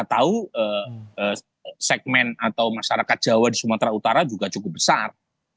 kita tahu segmen atau masyarakat jawa di sumatera utara juga cukup besar